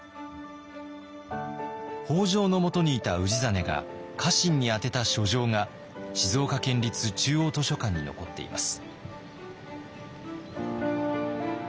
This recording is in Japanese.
北条のもとにいた氏真が家臣に宛てた書状が静岡県立中央図書館に残っています。